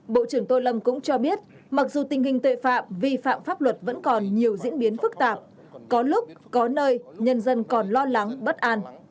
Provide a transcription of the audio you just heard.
bộ trưởng tô lâm cũng cho biết mặc dù tình hình tội phạm vi phạm pháp luật vẫn còn nhiều diễn biến phức tạp có lúc có nơi nhân dân còn lo lắng bất an